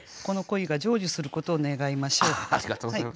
この恋が成就することを願いましょう。